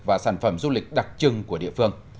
và sản phẩm du lịch đặc trưng của địa phương